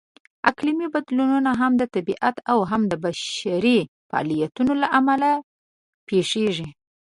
اقلیمي بدلونونه هم د طبیعت او هم د بشري فعالیتونو لهامله پېښېږي.